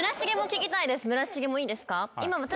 村重もいいですか？